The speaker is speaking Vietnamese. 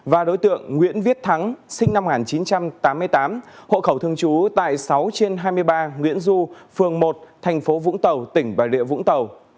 và đối tượng nguyễn viết thắng sinh năm một nghìn chín trăm tám mươi tám hộ khẩu thường trú tại sáu trên hai mươi ba nguyễn du phường một thành phố vũng tàu tỉnh bà rịa vũng tàu